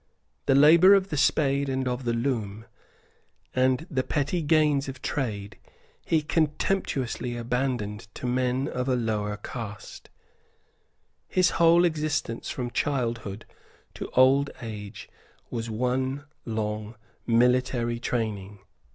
The labour of the spade and of the loom, and the petty gains of trade, he contemptuously abandoned to men of a lower caste. His whole existence from childhood to old age was one long military training.